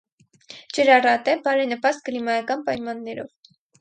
Ջրառատ է, բարենպաստ կլիմայական պայմաններով։